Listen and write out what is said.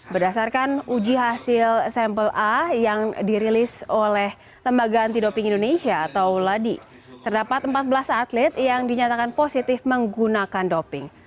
berdasarkan uji hasil sampel a yang dirilis oleh lembaga anti doping indonesia atau ladi terdapat empat belas atlet yang dinyatakan positif menggunakan doping